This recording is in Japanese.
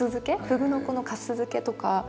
フグの子の粕漬けとか。